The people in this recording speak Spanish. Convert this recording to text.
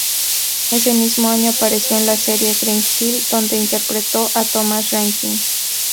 Ese mismo año apareció en la serie "Grange Hill" donde interpretó a Thomas Rankin.